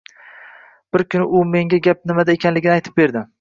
Bir kuni u menga gap nimada ekanligini aytib berdi.